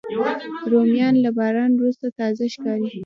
رومیان له باران وروسته تازه ښکاري